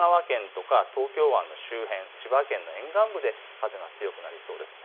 神奈川県や東京湾周辺、千葉県の沿岸部で風が強くなりそうです。